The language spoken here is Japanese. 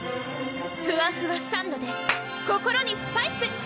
ふわふわサンドｄｅ心にスパイス！